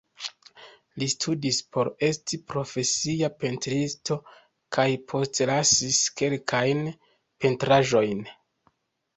Li studis por esti profesia pentristo kaj postlasis kelkajn pentraĵojn.